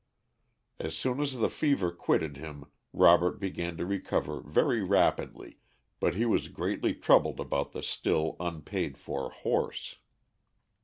As soon as the fever quitted him Robert began to recover very rapidly, but he was greatly troubled about the still unpaid for horse.